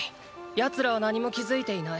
奴らは何も気付いていない。